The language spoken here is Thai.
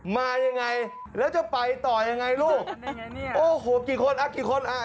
มายังไงแล้วจะไปต่อยังไงลูกยังไงเนี้ยโอ้โหกี่คนอ่ะ